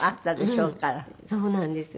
そうなんです。